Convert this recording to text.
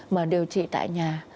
mà điều trị tại nhà